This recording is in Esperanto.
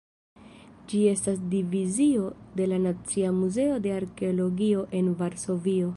Ĝi estas divizio de la Nacia Muzeo de Arkeologio en Varsovio.